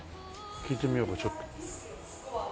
聞いてみようかちょっと。